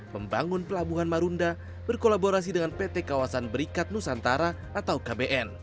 membangun pelabuhan marunda berkolaborasi dengan pt kawasan berikat nusantara atau kbn